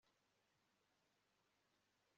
kuko ari ho nzagukiriza